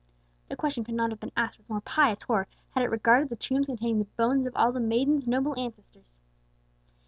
The question could not have been asked with more pious horror, had it regarded the tombs containing the bones of all the maiden's noble ancestors.